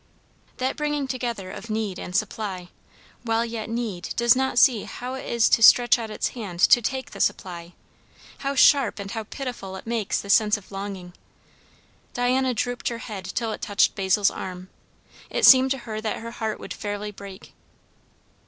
'" That bringing together of need and supply, while yet Need does not see how it is to stretch out its hand to take the supply how sharp and how pitiful it makes the sense of longing! Diana drooped her head till it touched Basil's arm; it seemed to her that her heart would fairly break.